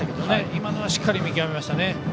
今のはしっかり見極めましたね。